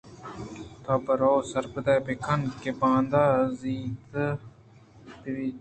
* تو برو سرپد ئِے بہ کن کہ باندا زیت بئیت۔